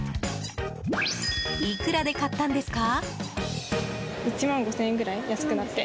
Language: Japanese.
いくらで買ったんですか？